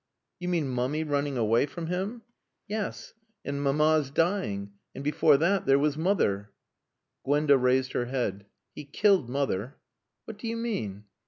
"You mean Mummy running away from him?" "Yes. And Mamma's dying. And before that there was Mother." Gwenda raised her head. "He killed Mother." "What do you mean?"